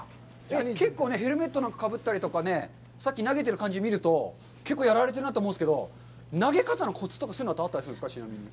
結構ヘルメットなんかかぶったりね、さっき投げてる感じ見ると、結構やられてるなと思うんですけど、投げ方のコツとかあったりするんですか？